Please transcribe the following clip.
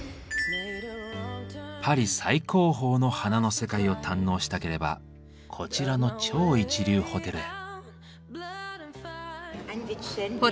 パリ最高峰の「花の世界」を堪能したければこちらの超一流ホテルへ。